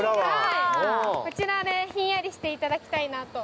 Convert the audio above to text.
こちらでひんやりしていただきたいなと。